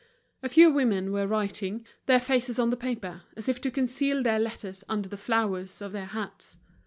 A few women were writing, their faces on the paper, as if to conceal their letters under the flowers of their hats.